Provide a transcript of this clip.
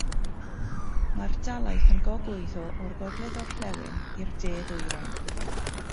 Mae'r dalaith yn gogwyddo o'r gogledd-orllewin i'r de-ddwyrain.